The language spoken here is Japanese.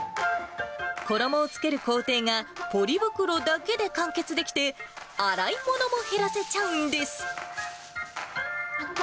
衣をつける工程が、ポリ袋だけで完結できて、洗いものも減らせちゃうんです。